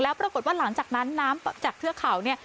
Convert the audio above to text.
แล้วปรากฏว่าหลังจากนั้นน้ำจากเทือกเขาเนี่ย